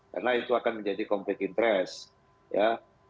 karena itu akan menjadi conflict interest ya